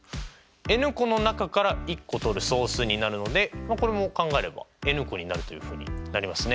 ｎ個の中から１個とる総数になるのでこれも考えればｎ個になるというふうになりますね。